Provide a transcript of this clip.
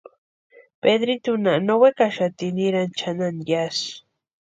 Pedritunha no wekaxati nirani chʼanani yásï.